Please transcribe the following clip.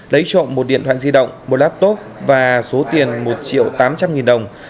lấy trộm một điện thoại di động một laptop và số tiền một triệu tám trăm linh nghìn đồng